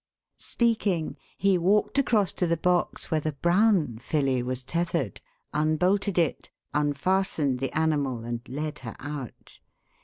Speaking, he walked across to the box where the brown filly was tethered, unbolted it, unfastened the animal and led her out.